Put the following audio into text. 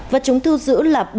vật chúng thư giữ là